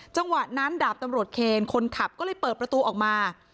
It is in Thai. จังหวะนั้นดาบตำรวจเคนคนขับก็เลยเปิดประตูออกมา